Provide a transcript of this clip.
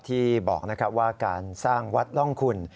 ที่บอกว่าการสร้างวัดร่องคุณ